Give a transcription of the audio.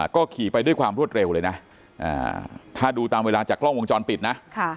ก็ขี่ไปด้วยความรวดเร็วเลยนะถ้าดูตามเวลาจากกล้องวงจรปิดนะ